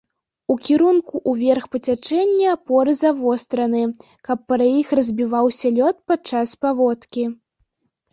У кірунку ўверх па цячэнні апоры завостраны, каб пра іх разбіваўся лёд падчас паводкі.